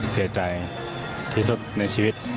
เสียใจที่สุดในชีวิต